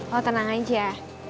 lo tenang aja